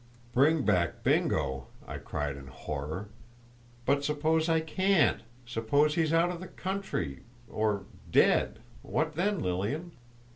"Bring back Bingo!" I cried, in horror. "But suppose I can't—suppose he's out of the country, or—dead, what then Lilian?"